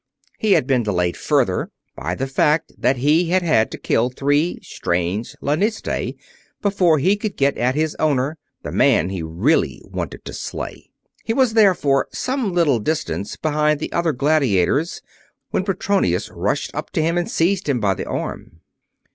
He had been delayed further by the fact that he had had to kill three strange lanistae before he could get at his owner, the man he really wanted to slay. He was therefore some little distance behind the other gladiators when Petronius rushed up to him and seized him by the arm.